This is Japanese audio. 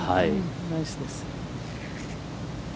ナイスです。